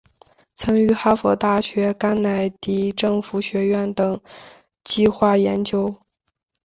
曾于哈佛大学甘乃迪政府学院等计画研究。